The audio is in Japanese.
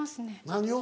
何を？